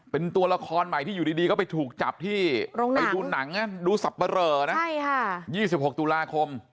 เป็นตัวละครใหม่ที่อยู่ดีก็ไปถูกจับที่ไปดูหนังดูสับปะเหลอนะ๒๖ตุลาคม